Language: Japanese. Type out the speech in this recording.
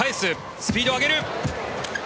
スピードを上げる。